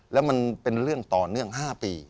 แล้วมันเป็นเรื่องต่อเนื่อง๕ปี